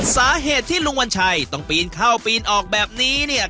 สาเหตุที่ลุงวัญชัยต้องปีนเข้าปีนออกแบบนี้เนี่ย